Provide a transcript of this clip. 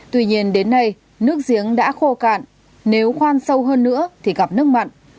tuy nhiên đến nay nước giếng đã khô cạn nếu khoan sâu hơn nữa thì gặp nước mặn